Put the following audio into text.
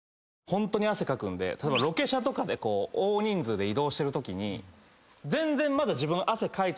ホントに汗かくんで例えばロケ車とかで大人数で移動してるときに全然。